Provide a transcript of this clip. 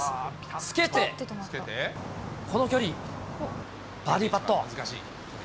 つけて、この距離、バーディーパット。